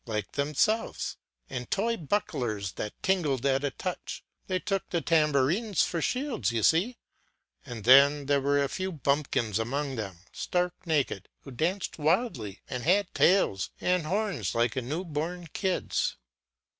253 like themselves, and toy bucklers that tinkled at a touch; they took the tambourines for shields, you see; and then there were a few bumpkins among them, stark naked, who danced wildly, and had tails, and horns like a new born kid's.